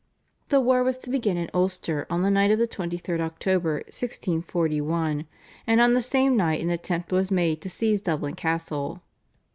The war was to begin in Ulster on the night of the 23rd October 1641, and on the same night an attempt was made to seize Dublin Castle.